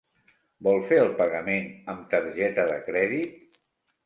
Vol fer el pagament amb targeta de crèdit?